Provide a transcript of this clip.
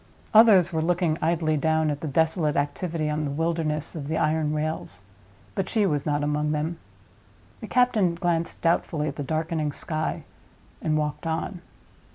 Others were looking idly down at the desolate activity on the wilderness of the iron rails; but she was not among them. The captain glanced doubtfully at the darkening sky, and walked on.